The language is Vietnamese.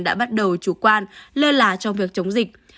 đã bắt đầu chủ quan lơ là trong việc chống dịch